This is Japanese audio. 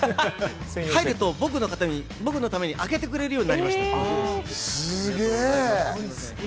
入るとみんなが僕のために空けてくれるようになりました。